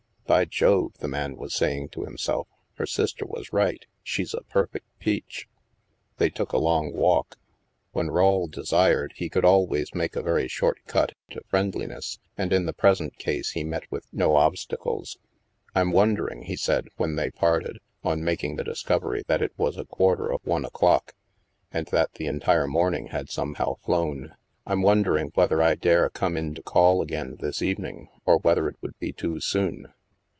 (" By Jove," the man was saying to himself, " her sister was right. She's a perfect peach.") They took a long walk. When Rawle desired, he could always make a very short cut to friendliness, and in the present case he met with no obstacles. " I'm wondering," he said, when they parted, on making the discovery that it was a quarter of one o'clock, and that the entire morning had somehow flown, " I'm wondering whether I dare come in to call again this evening, or whether it would be too soon?